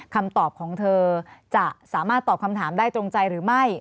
คำตอบของเธอจะสามารถตอบคำถามได้ตรงใจหรือไม่